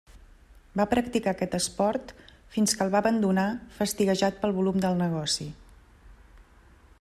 Va practicar aquest esport fins que el va abandonar fastiguejat pel volum del negoci.